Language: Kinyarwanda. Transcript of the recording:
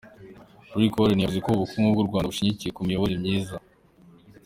Rick Warren yavuze ko ubukungu bw’u Rwanda bushingiye ku miyoborere myiza.